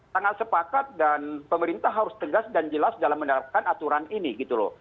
sangat sepakat dan pemerintah harus tegas dan jelas dalam menerapkan aturan ini gitu loh